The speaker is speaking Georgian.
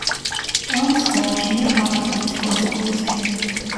ტანკს გააჩნია განლაგების კლასიკური სქემა.